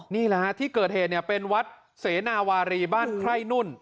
นี่แหละฮะที่เกิดเหตุเป็นวัดเสนาวารีบ้านไข้นุ่น